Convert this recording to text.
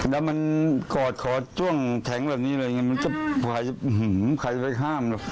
แล้วมันกอดขอดช่วงแท้งแบบนี้เลยอย่างงี้มันก็หื้มใครจะไปห้ามหรอก